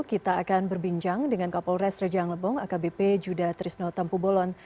kita akan berbincang dengan kapolres rejang lebong akbp juda trisno tampu bolon